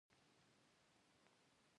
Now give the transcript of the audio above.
دا د کلتورونو ترمنځ علمي فضا جوړوي.